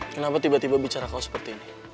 kenapa tiba tiba bicara kau seperti ini